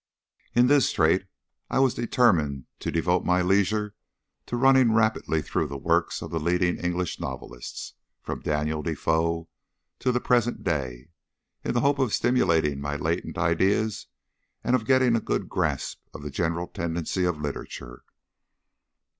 In this strait I determined to devote my leisure to running rapidly through the works of the leading English novelists, from Daniel Defoe to the present day, in the hope of stimulating my latent ideas and of getting a good grasp of the general tendency of literature.